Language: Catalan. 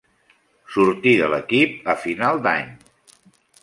Sortí de l'equip a final d'any.